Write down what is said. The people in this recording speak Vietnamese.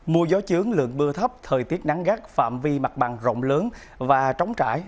mùa gió chướng lượng mưa thấp thời tiết nắng gắt phạm vi mặt bằng rộng lớn và trống trải